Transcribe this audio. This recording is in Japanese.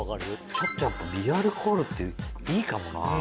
ちょっとやっぱ微アルコールっていいかもな。